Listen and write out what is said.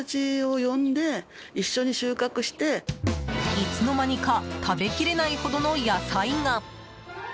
いつの間にか食べきれないほどの野菜が。